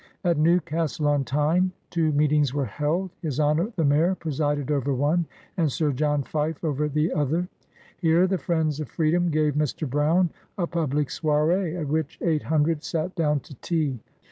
At Newcastle on Tyne, two meetings were held. His Honor the Mayor presided over one, and Sir John Fife over the other. Here the friends of freedom gave Mr. Brown a public soiree, at which eight hundred sat down to tea.